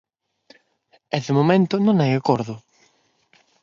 E de momento non hai acordo.